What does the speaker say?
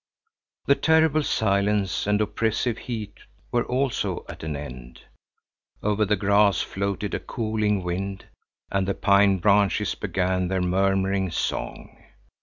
The terrible silence and oppressive heat were also at an end. Over the grass floated a cooling wind, and the pine branches began their murmuring song.